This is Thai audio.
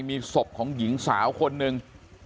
มีศพของหญิงสาวคนหนึ่ง